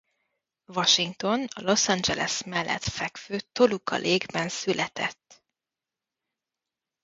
Washington a Los Angeles mellett fekvő Toluca Lake-ben született.